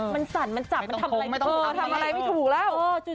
มันสั่นมันจับมันทำอะไรไม่ถูกทำอะไรไม่ถูกแล้ว